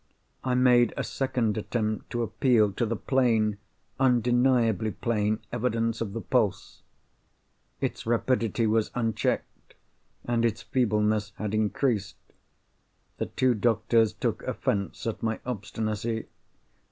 I made a second attempt to appeal to the plain, undeniably plain, evidence of the pulse. Its rapidity was unchecked, and its feebleness had increased. The two doctors took offence at my obstinacy.